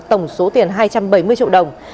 tổng số tiền hai trăm bảy mươi triệu đồng